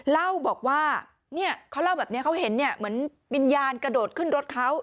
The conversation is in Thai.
เล่าบอกว่าเขาเห็นเหมือนวิญญาณกระโดดขึ้นรถเขา